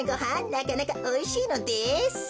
なかなかおいしいのです。